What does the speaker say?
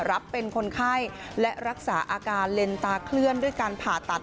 รับเป็นคนไข้และรักษาอาการเลนตาเคลื่อนด้วยการผ่าตัด